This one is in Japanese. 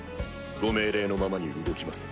ご命令のままに動きます。